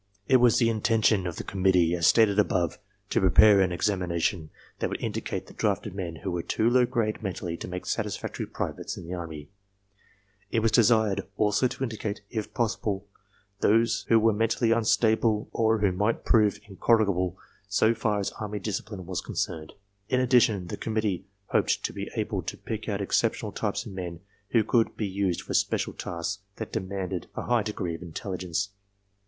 It was the intention of the committee as stated above to prepare an examination that would indicate the drafted men who were too low grade mentally to make satisfactory privates in the Army; it was desired also to indicate, if possible, those who were mentally imstable or who might prove incorrigible so far as army discipline was ^ concerned. In addition, the committee hoped to be able to pick out exceptional types of men who could be used for special I tasks that demanded a high degree of intelligence.